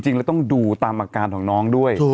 เราต้องดูตามอาการของน้องด้วย